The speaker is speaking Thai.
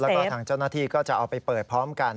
แล้วก็ทางเจ้าหน้าที่ก็จะเอาไปเปิดพร้อมกัน